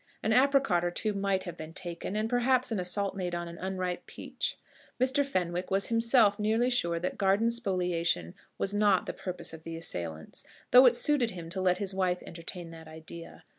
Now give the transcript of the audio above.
An apricot or two might have been taken, and perhaps an assault made on an unripe peach. Mr. Fenwick was himself nearly sure that garden spoliation was not the purpose of the assailants, though it suited him to let his wife entertain that idea.